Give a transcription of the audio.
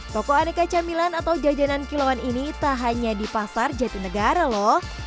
toko aneka camilan atau jajanan kilauan ini tak hanya di pasar jatinegara loh